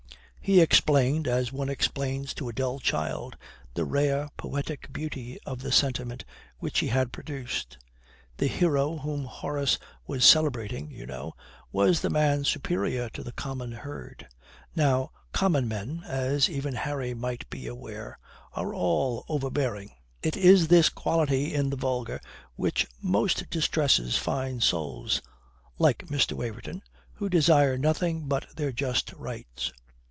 He explained, as one explains to a dull child, the rare poetic beauty of the sentiment which he had produced. The hero whom Horace was celebrating, you know, was the man superior to the common herd. Now common men (as even Harry might be aware) are all overbearing. It is this quality in the vulgar which most distresses fine souls (like Mr. Waverton) who desire nothing but their just rights.